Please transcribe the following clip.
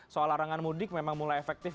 soal larangan mudik memang mulai efektif